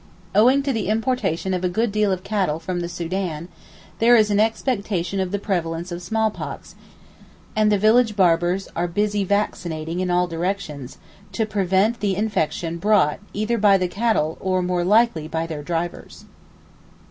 Owing to the importation of a good deal of cattle from the Soudan, there is an expectation of the prevalence of small pox, and the village barbers are busy vaccinating in all directions to prevent the infection brought, either by the cattle or, more likely, by their drivers.